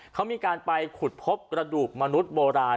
เขามีการไปขุดพบกระดูกมนุษย์โบราณ